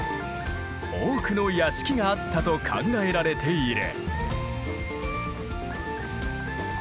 多くの屋敷があったと考えられている。